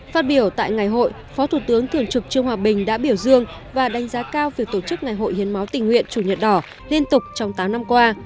phát biểu tại ngày hội phó thủ tướng thường trực trương hòa bình đã biểu dương và đánh giá cao việc tổ chức ngày hội hiến máu tình nguyện chủ nhật đỏ liên tục trong tám năm qua